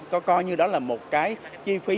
coi như đó là một cái chi phí